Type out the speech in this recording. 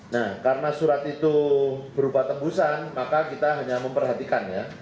nah karena surat itu berupa tembusan maka kita hanya memperhatikan ya